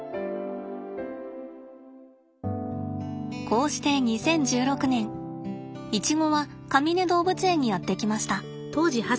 こうして２０１６年イチゴはかみね動物園にやって来ました。